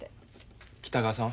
北川さんは？